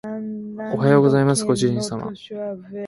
おはようございますご主人様